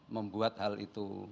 membuat hal itu